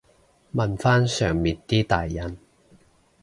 問返上面啲大人